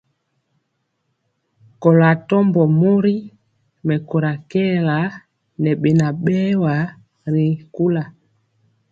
Kɔlo atɔmbɔ mori mɛkóra kɛɛla ŋɛ beŋa berwa ri kula.